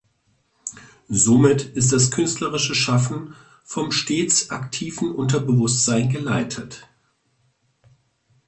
Somit ist das künstlerische Schaffen vom stets aktiven Unterbewusstsein geleitet.